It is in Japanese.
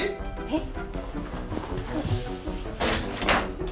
えっ？